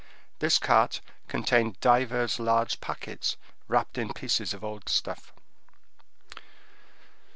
This cart contained divers large packets wrapped in pieces of old stuff.